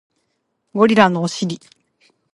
ゴリラのお尻